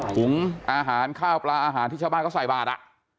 ถุงอาหารข้าวปลาอาหารที่ชาวบ้านเขาใส่บาท